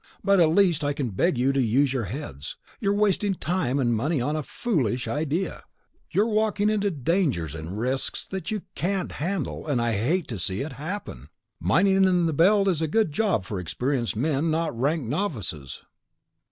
"But at least I can beg you to use your heads. You're wasting time and money on a foolish idea. You're walking into dangers and risks that you can't handle, and I hate to see it happen. "Mining in the Belt is a job for experienced men, not rank novices."